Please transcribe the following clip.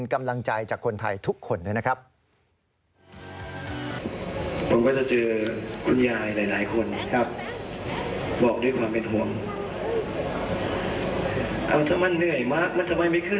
กำลังใจจากคนไทยทุกคนด้วยนะครับ